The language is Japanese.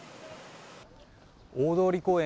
大通公園